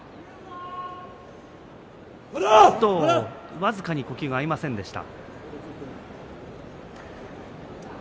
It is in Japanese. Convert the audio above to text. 僅かに呼吸が合いませんでした。